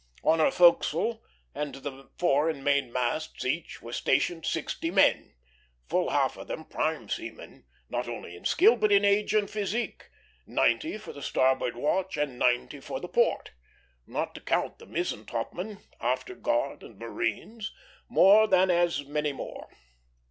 On her forecastle, and to the fore and main masts, each, were stationed sixty men, full half of them prime seamen, not only in skill, but in age and physique ninety for the starboard watch, and ninety for the port; not to count the mizzen topmen, after guard, and marines, more than as many more.